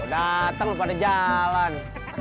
datang lu pada jalan